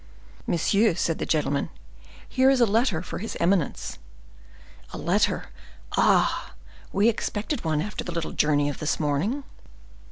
"Monsieur," said the gentleman, "here is a letter for his eminence." "A letter! Ah! we expected one after the little journey of the morning."